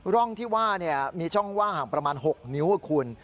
ร่องที่ว่ามีช่องว่างห่างประมาณ๖นิ้วคุณ